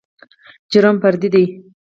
جرم فردي دى.